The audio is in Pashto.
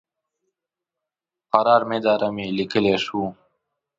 قرار میدارم یې لیکلی شوای.